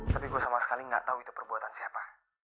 tapi gue sama sekali gak tau itu perbuatan siapa